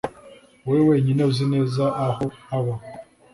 wowe wenyine uzi neza aho aba